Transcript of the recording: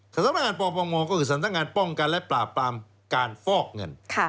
สำนักงานปปงก็คือสำนักงานป้องกันและปราบปรามการฟอกเงิน